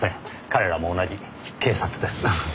彼らも同じ警察です。